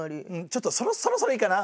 ちょっとそろそろいいかな？